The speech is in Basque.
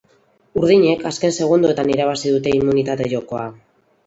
Urdinek azken segundoetan irabazi dute immunitate jokoa.